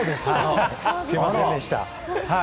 すみませんでした。